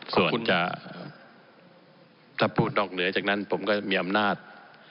ส่วนจะถ้าพูดนอกเหนือจากนั้นผมก็มีอำนาจ